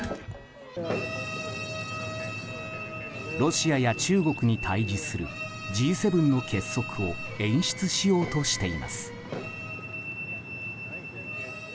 ロシアや中国に対峙するＧ７の結束を演出しようとしています。